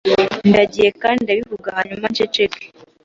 Ndagiye kandi Ndabivuga hanyuma nsheceke.